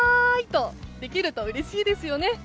とできるとうれしいですよね。